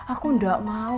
aku gak mau